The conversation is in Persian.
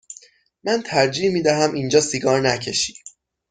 من ترجیح می دهم اینجا سیگار نکشی.